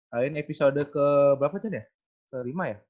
lain episode keberapa cend ya ke lima ya